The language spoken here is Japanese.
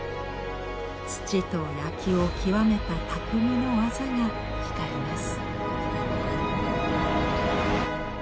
土と焼きを極めた匠の技が光ります。